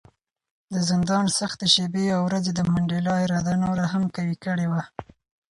د زندان سختې شپې او ورځې د منډېلا اراده نوره هم قوي کړې وه.